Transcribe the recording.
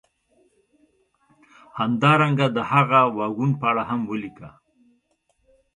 همدارنګه د هغه واګون په اړه هم ولیکه